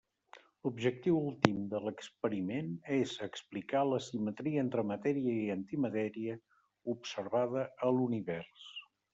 L'objectiu últim de l'experiment és explicar l'asimetria entre matèria i antimatèria observada a l'Univers.